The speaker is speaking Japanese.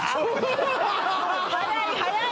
早い早い！